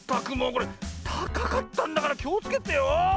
これたかかったんだからきをつけてよ。